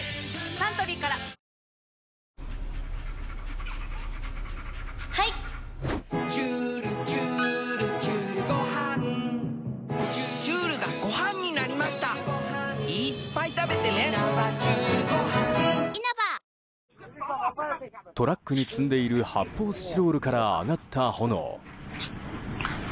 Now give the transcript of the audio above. サントリーからトラックに積んでいる発泡スチロールから上がった炎。